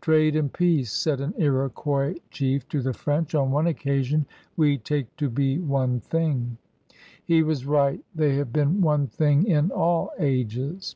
Trade and peace/' said an Iroquois chief to the French on one occa sion, we take to be one thing/' He was right; they have been one thing in all ages.